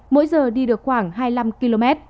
mỗi giờ đi được khoảng hai mươi năm km